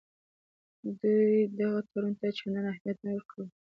دوی دغه تړون ته چندان اهمیت نه ورکوي.